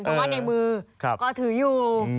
เพราะว่าในมือก็ถืออยู่